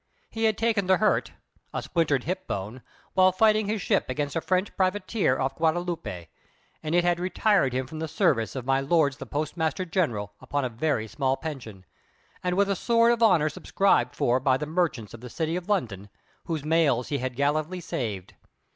He had taken the hurt a splintered hip bone while fighting his ship against a French privateer off Guadeloupe, and it had retired him from the service of my lords the Postmaster General upon a very small pension, and with a sword of honour subscribed for by the merchants of the City of London, whose mails he had gallantly saved.